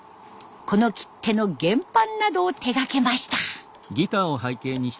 この切手の原版などを手がけました。